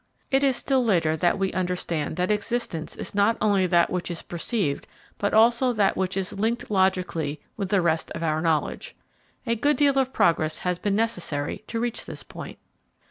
It is still later that we understand that existence is not only that which is perceived but also that which is linked logically with the rest of our knowledge. A good deal of progress has been necessary to reach this point.